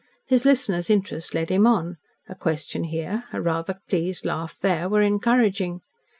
His listener's interest led him on, a question here, a rather pleased laugh there, were encouraging.